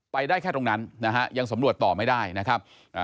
ไปได้แค่ตรงนั้นนะฮะยังสำรวจต่อไม่ได้นะครับ